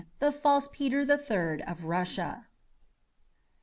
THE FALSE PETER THE THIRD OF RUSSIA.